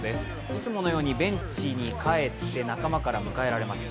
いつものようにベンチに帰って仲間から迎えられます。